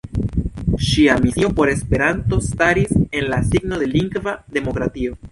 Ŝia misio por Esperanto staris en la signo de lingva demokratio.